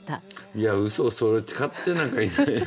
いやうそそれ誓ってなんかいない。